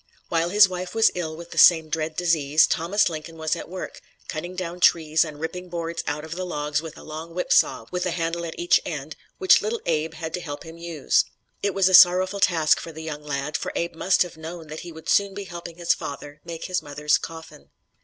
While his wife was ill with the same dread disease, Thomas Lincoln was at work, cutting down trees and ripping boards out of the logs with a long whipsaw with a handle at each end, which little Abe had to help him use. It was a sorrowful task for the young lad, for Abe must have known that he would soon be helping his father make his mother's coffin.